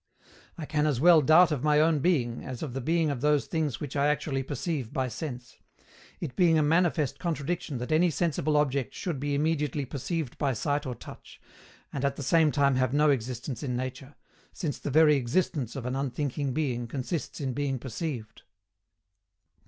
I can as well doubt of my own being as of the being of those things which I actually perceive by sense; it being a manifest contradiction that any sensible object should be immediately perceived by sight or touch, and at the same time have no existence in nature, since the very existence of an unthinking being consists in being perceived.